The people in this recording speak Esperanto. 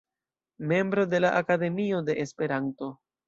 Membro de la Akademio de Esperanto.